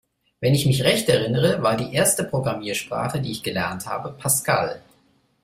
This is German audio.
Wenn ich mich recht erinnere, war die erste Programmiersprache, die ich gelernt habe, Pascal.